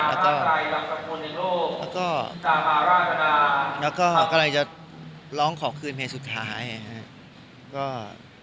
แล้วก็แล้วก็กำลังจะร้องขอคืนเพลงสุดท้ายนะครับ